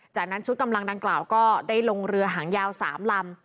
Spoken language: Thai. จากนั้นชุดกำลังดังกล่าวก็ได้ลงเรือหางยาว๓ลำ